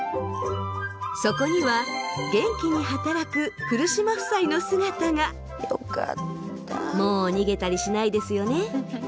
そこには元気に働くもう逃げたりしないですよね？